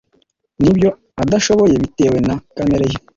n'ibyo adashoboye bitewe na kamere ye